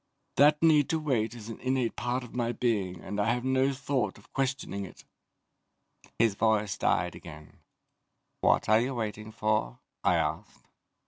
That need to wait is an innate part of my being and I have no thought of questioning it." His voice died again. "What are you waiting for?" I asked.